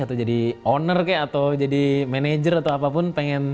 atau jadi owner kayaknya atau jadi manager atau apapun